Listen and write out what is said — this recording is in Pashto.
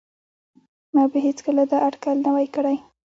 ما به هیڅکله دا اټکل نه وای کړی